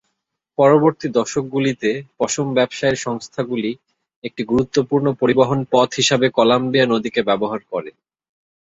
পরবর্তী দশকগুলিতে, পশম ব্যবসায়ের সংস্থাগুলি একটি গুরুত্বপূর্ণ পরিবহন পথ হিসাবে কলাম্বিয়া নদীকে ব্যবহার করে।